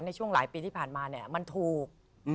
ในช่วงหลายปีที่ผ่านมาเนี่ยมันถูก